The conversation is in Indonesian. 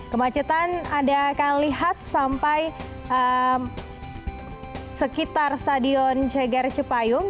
kemacetan anda akan lihat sampai sekitar stadion cegar cepayung